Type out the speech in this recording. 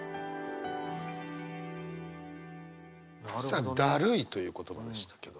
さあ「だるい」という言葉でしたけど。